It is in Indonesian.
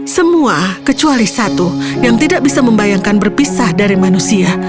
semua kecuali satu yang tidak bisa membayangkan berpisah dari manusia